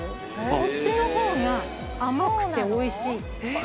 こっちの方が甘くておいしい。